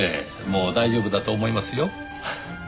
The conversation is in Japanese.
もう大丈夫だと思いますよ。